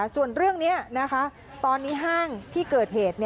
ส่วนเรื่องนี้ตอนนี้ห้างที่เกิดเหตุ